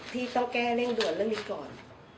ที่ต้องแก้เร่งด่วนเรื่องนี้ก่อน